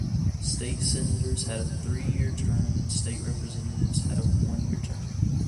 State Senators had a three-year term and State Representatives had a one-year term.